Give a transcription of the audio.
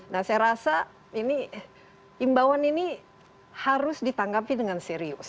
nah saya rasa ini imbauan ini harus ditanggapi dengan serius